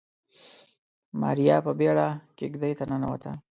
ماريا په بيړه کېږدۍ ته ننوته.